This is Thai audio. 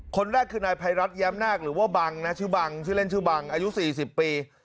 คนแรกคือนายภัยรัฐแย้มนาคหรือว่าบังนะชื่อบังชื่อเล่นชื่อบังอายุ๔๐ปี